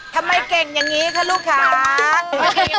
ทำไมเก่งอย่างนี้คะลูกค้า